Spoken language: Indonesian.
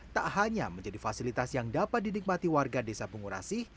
tak hanya menjadi fasilitas yang dapat dinikmati warga desa bungurasi